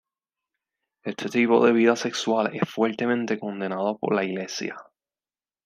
Ese tipo de vida sexual es fuertemente condenado por la Iglesia.